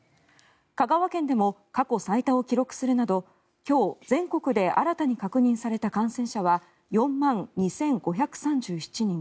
香川県でも過去最多を記録するなど今日、全国で新たに確認された感染者は４万２５３８人。